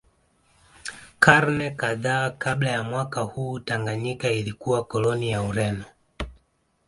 Karne kadhaa kabla ya mwaka huu Tanganyika ilikuwa koloni ya Ureno